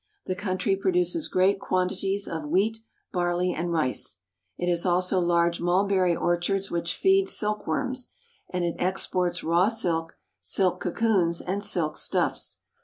The country produces great quantities of wheat, barley, and rice. It has also large mulberry or chards which feed silkworms ; and it exports raw silk, silk cocoons, and silk stuffs.